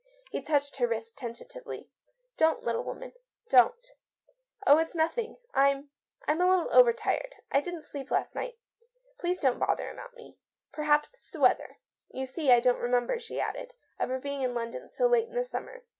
He touched her wrist tentatively. " Don't, little woman, don't." " Oh, it's nothing. I'm — I'm a little over tired. I didn't sleep last night. Please don't bother about me; perhaps it's the weather. You see I don't remember," she added, " ever being in London so late in the summer.